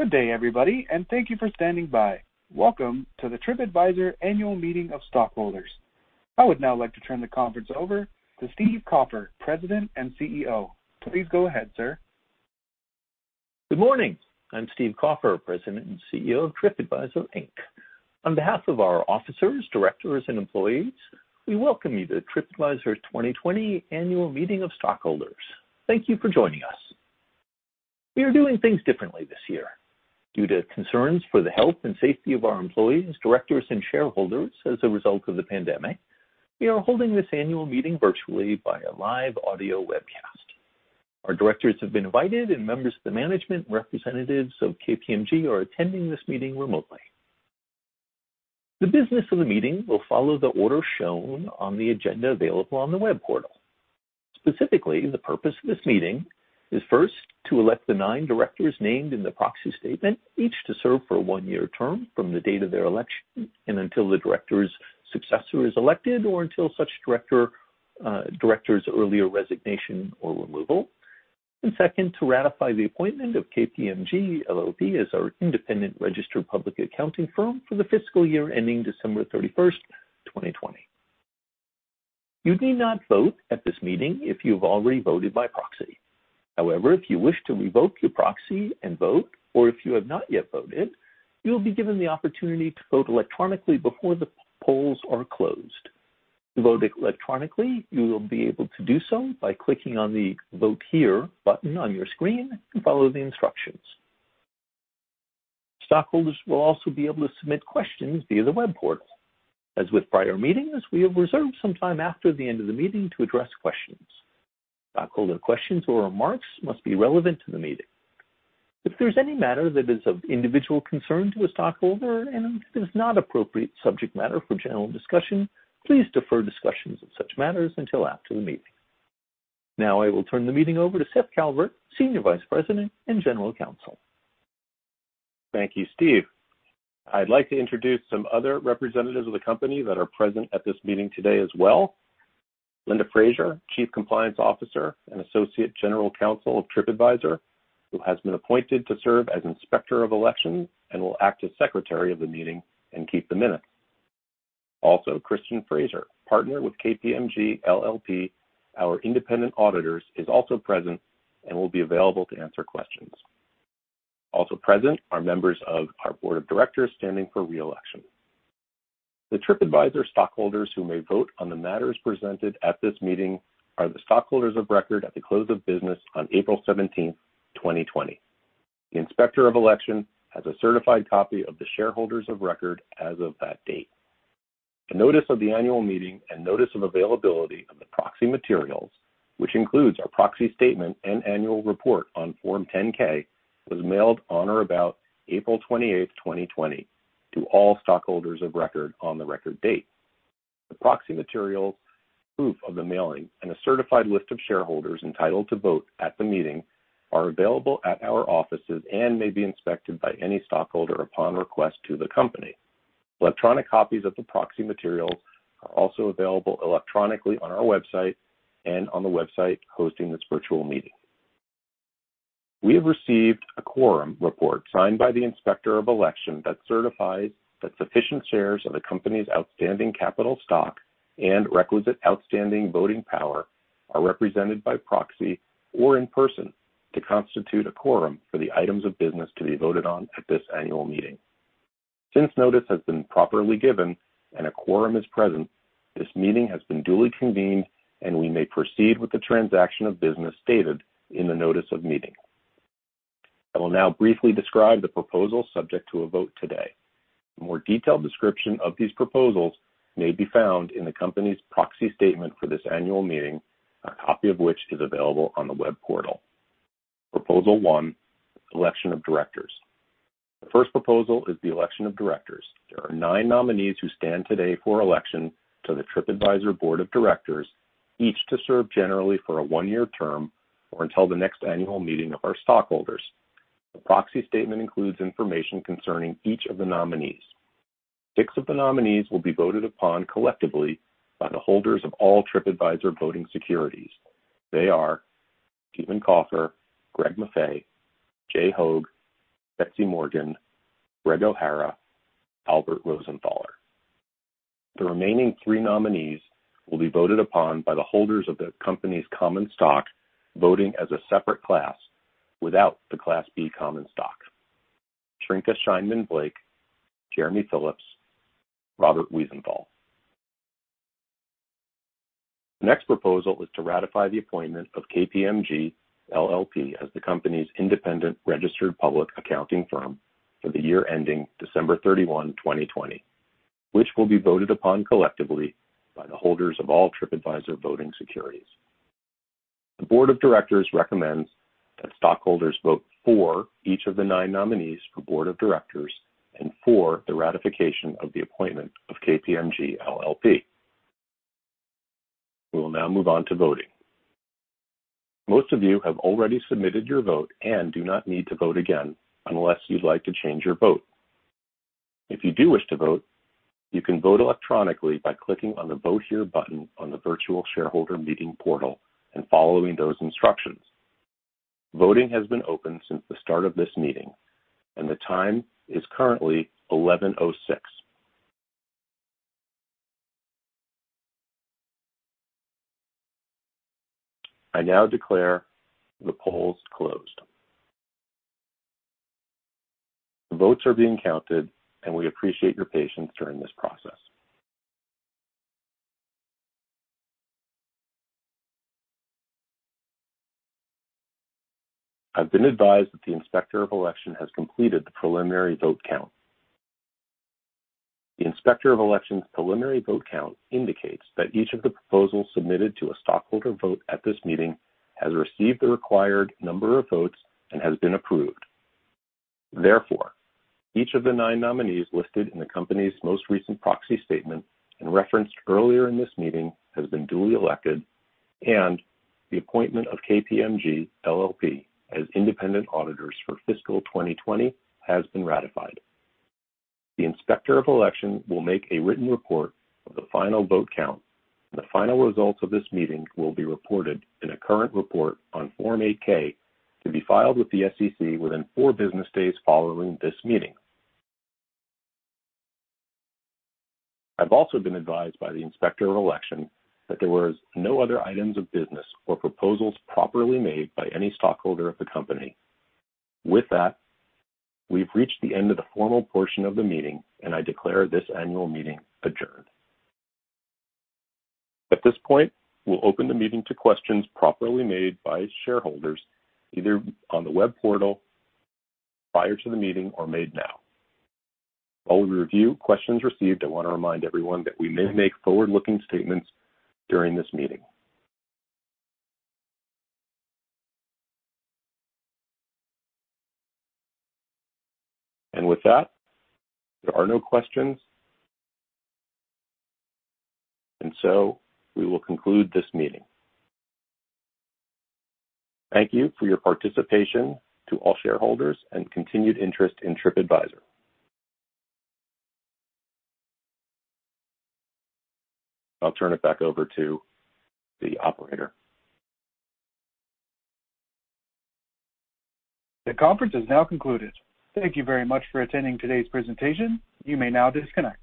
Good day, everybody, and thank you for standing by. Welcome to the TripAdvisor Annual Meeting of Stockholders. I would now like to turn the conference over to Steve Kaufer, President and CEO. Please go ahead, sir. Good morning. I'm Steve Kaufer, President and CEO of TripAdvisor, Inc. On behalf of our officers, directors, and employees, we welcome you to TripAdvisor's 2020 Annual Meeting of Stockholders. Thank you for joining us. We are doing things differently this year. Due to concerns for the health and safety of our employees, directors, and shareholders as a result of the pandemic, we are holding this annual meeting virtually via live audio webcast. Our directors have been invited, and members of the management, representatives of KPMG are attending this meeting remotely. The business of the meeting will follow the order shown on the agenda available on the web portal. Specifically, the purpose of this meeting is first, to elect the nine directors named in the proxy statement, each to serve for a one-year term from the date of their election and until the director's successor is elected, or until such director's earlier resignation or removal. Second, to ratify the appointment of KPMG LLP as our independent registered public accounting firm for the fiscal year ending December 31st, 2020. You need not vote at this meeting if you've already voted by proxy. However, if you wish to revoke your proxy and vote, or if you have not yet voted, you'll be given the opportunity to vote electronically before the polls are closed. To vote electronically, you will be able to do so by clicking on the Vote Here button on your screen and follow the instructions. Stockholders will also be able to submit questions via the web portal. As with prior meetings, we have reserved some time after the end of the meeting to address questions. Stockholder questions or remarks must be relevant to the meeting. If there's any matter that is of individual concern to a stockholder and is not appropriate subject matter for general discussion, please defer discussions of such matters until after the meeting. Now, I will turn the meeting over to Seth Kalvert, Senior Vice President and General Counsel. Thank you, Steve. I'd like to introduce some other representatives of the company that are present at this meeting today as well. Linda Frazier, Chief Compliance Officer and Associate General Counsel of TripAdvisor, who has been appointed to serve as Inspector of Election and will act as Secretary of the meeting and keep the minutes. Christian Fraser, Partner with KPMG LLP, our independent auditors, is also present and will be available to answer questions. Present are members of our Board of Directors standing for re-election. The TripAdvisor stockholders who may vote on the matters presented at this meeting are the stockholders of record at the close of business on April 17th, 2020. The Inspector of Election has a certified copy of the shareholders of record as of that date. The notice of the annual meeting and notice of availability of the proxy materials, which includes our proxy statement and annual report on Form 10-K, was mailed on or about April 28th, 2020, to all stockholders of record on the record date. The proxy materials, proof of the mailing, and a certified list of shareholders entitled to vote at the meeting are available at our offices and may be inspected by any stockholder upon request to the company. Electronic copies of the proxy materials are also available electronically on our website and on the website hosting this virtual meeting. We have received a quorum report signed by the Inspector of Election that certifies that sufficient shares of the company's outstanding capital stock and requisite outstanding voting power are represented by proxy or in person to constitute a quorum for the items of business to be voted on at this annual meeting. Since notice has been properly given and a quorum is present, this meeting has been duly convened, and we may proceed with the transaction of business stated in the notice of meeting. I will now briefly describe the proposals subject to a vote today. A more detailed description of these proposals may be found in the company's proxy statement for this annual meeting, a copy of which is available on the web portal. Proposal one, election of directors. The first proposal is the election of directors. There are nine nominees who stand today for election to the TripAdvisor Board of Directors, each to serve generally for a one-year term or until the next annual meeting of our stockholders. The proxy statement includes information concerning each of the nominees. Six of the nominees will be voted upon collectively by the holders of all TripAdvisor voting securities. They are Stephen Kaufer, Greg Maffei, Jay Hoag, Betsy Morgan, Greg O'Hara, Albert Rosenthaler. The remaining three nominees will be voted upon by the holders of the company's common stock, voting as a separate class without the Class B common stock. Trynka Shineman Blake, Jeremy Phillips, Robert Wiesenthal. The next proposal is to ratify the appointment of KPMG LLP as the company's independent registered public accounting firm for the year ending December 31st, 2020, which will be voted upon collectively by the holders of all TripAdvisor voting securities. The board of directors recommends that stockholders vote for each of the nine nominees for board of directors and for the ratification of the appointment of KPMG LLP. We will now move on to voting. Most of you have already submitted your vote and do not need to vote again unless you'd like to change your vote. If you do wish to vote, you can vote electronically by clicking on the Vote Here button on the virtual shareholder meeting portal and following those instructions. Voting has been open since the start of this meeting, and the time is currently 11:06. I now declare the polls closed. The votes are being counted, and we appreciate your patience during this process. I've been advised that the Inspector of Election has completed the preliminary vote count. The Inspector of Election's preliminary vote count indicates that each of the proposals submitted to a stockholder vote at this meeting has received the required number of votes and has been approved. Therefore, each of the nine nominees listed in the company's most recent proxy statement and referenced earlier in this meeting has been duly elected, and the appointment of KPMG LLP as independent auditors for fiscal 2020 has been ratified. The Inspector of Election will make a written report of the final vote count, and the final results of this meeting will be reported in a current report on Form 8-K to be filed with the SEC within four business days following this meeting. I've also been advised by the Inspector of Election that there were no other items of business or proposals properly made by any stockholder of the company. With that, we've reached the end of the formal portion of the meeting, and I declare this annual meeting adjourned. At this point, we'll open the meeting to questions properly made by shareholders, either on the web portal prior to the meeting or made now. While we review questions received, I want to remind everyone that we may make forward-looking statements during this meeting. With that, there are no questions. We will conclude this meeting. Thank you for your participation to all shareholders and continued interest in TripAdvisor. I'll turn it back over to the operator. The conference is now concluded. Thank you very much for attending today's presentation. You may now disconnect.